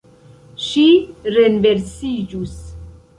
Ŝi renversiĝus.